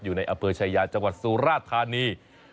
อยู่ในอำเภอชายาจังหวัดสุราธานี